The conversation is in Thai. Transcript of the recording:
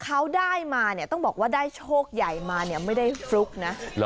เขาได้มาเนี่ยต้องบอกว่าได้โชคใหญ่มาเนี่ยไม่ได้ฟลุกนะ